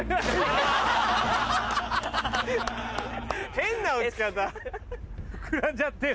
変な落ち方。